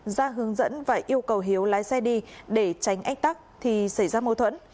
ra hướng dẫn và yêu cầu hiếu lái xe đi để tránh ách tắc thì xảy ra mâu thuẫn